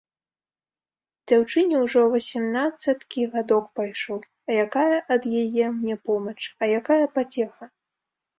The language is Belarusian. Дзяўчыне ўжо васемнаццаткі гадок пайшоў, а якая ад яе мне помач, а якая пацеха?!